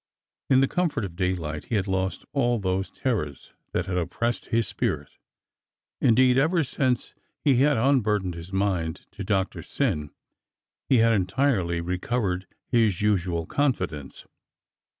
In the comfort of daylight he had lost all those terrors that had oppressed his spirit; indeed, ever since he had unburdened his mind to Doctor Syn he had entirely recovered his usual confidence.